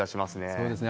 そうですね。